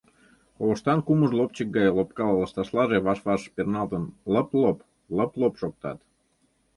Ковыштан кумыж лопчык гай лопка лышташлаже, ваш-ваш перналтын, лып-лоп, лып-лоп шоктат.